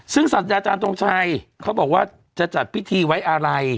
ซึ่งสัตว์อาจารย์ทรงชัยเขาบอกว่าจะจัดพิธีไว้อะไร